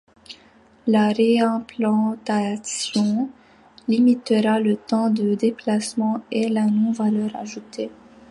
La ré-implantation limitera le temps de déplacements et la non valeur ajoutée.